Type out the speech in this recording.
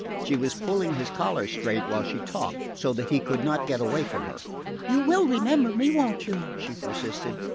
She was pulling his collar straight while she talked, so that he could not get away from her. "You will remember me, won't you?" she persisted.